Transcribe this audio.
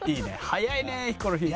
早いねヒコロヒー。